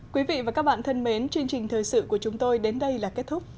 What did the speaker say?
quý vị và các bạn thân mến chương trình thời sự của chúng tôi đến đây là kết thúc